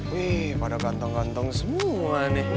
wih pada ganteng ganteng semua nih